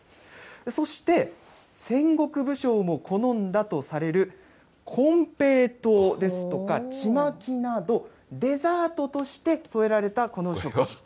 そして戦国武将も好んだとされる金平糖ですとか、ちまきなど、デザートとして添えられたこの食事。